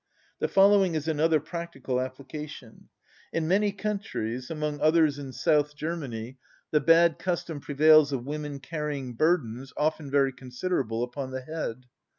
The following is another practical application. In many countries, among others in South Germany, the bad custom prevails of women carrying burdens, often very considerable, upon the head.